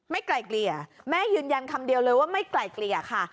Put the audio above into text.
ไกลเกลี่ยแม่ยืนยันคำเดียวเลยว่าไม่ไกลเกลี่ยค่ะ